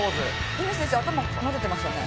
乾選手頭なでてましたね。